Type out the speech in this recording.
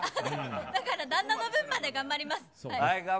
だから旦那の分まで頑張ります。